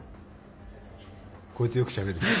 こいつよくしゃべるし。